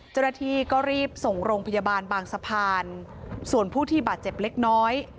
เจ้าหน้าที่ก็รีบส่งโรงพยาบาลบางสะพานส่วนผู้ที่บาดเจ็บเล็กน้อย